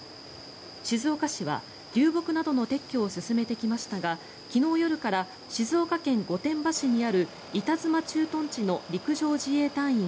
静岡市は流木などの撤去を進めてきましたが昨日夜から静岡県御殿場市にある板妻駐屯地の陸上自衛隊員